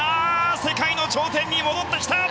世界の頂点に戻ってきた！